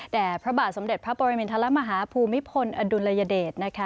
แด่พระบาทสำเด็จพระปริมินทะละมหาภูมิพลอดุลยเดชนะคะ